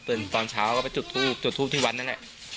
ฝืนตอนเช้าก็ไปจดทูปจดทูปที่วันแน่แหละ